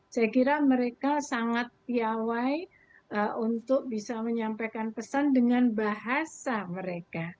saya kira mereka sangat piawai untuk bisa menyampaikan pesan dengan bahasa mereka